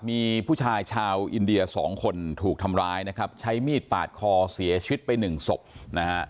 มีผู้ชายชาวอินเดียสองคนถูกทำร้ายนะครับใช้มีดปาดคอเสียชีวิตไปหนึ่งศพนะฮะ